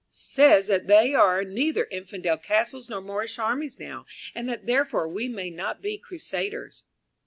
says that there are neither Infidel castles nor Moorish armies now, and that therefore we may not be crusaders."